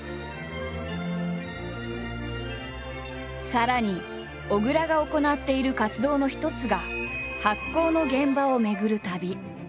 さらに小倉が行っている活動の一つが発酵の現場を巡る旅。